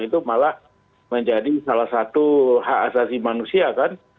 itu malah menjadi salah satu hak asasi manusia kan